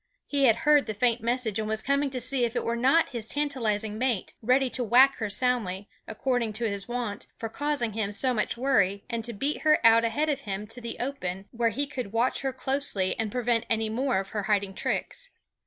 He had heard the faint message and was coming to see if it were not his tantalizing mate, ready to whack her soundly, according to his wont, for causing him so much worry, and to beat her out ahead of him to the open where he could watch her closely and prevent any more of her hiding tricks.